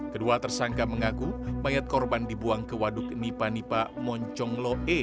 kedua tersangka mengaku mayat korban dibuang ke waduk nipa nipa moncongloe